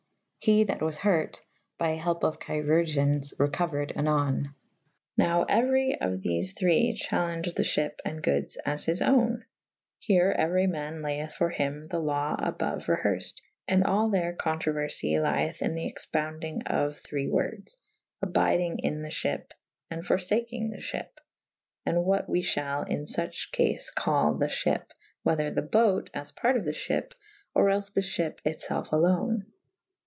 He that was hurt (by helpe of Chirurgiens) recouered anon. Nowe euery of thefe thre chalenge the fhyp & goodes as his owne. Here euery man layeth for hym the lawe aboue reherced, and all theyr controuerfy lyeth in the expoundynge ' of thre wordes / abydynge in the fhyp / and forfakynge the fhyp / and what we f hal in firch cafe cal the fhyp / whether the bote as part of the fhyp : or els the fhyp it felfe alone.